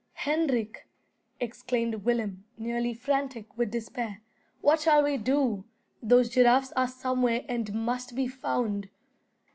"Hendrik," exclaimed Willem, nearly frantic with despair; "what shall we do? Those giraffes are somewhere, and must be found."